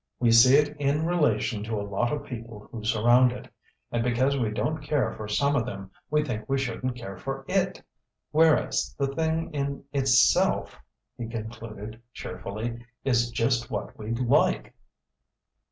We see it in relation to a lot of people who surround it. And because we don't care for some of them we think we shouldn't care for it. Whereas the thing in itself," he concluded cheerfully, "is just what we'd like."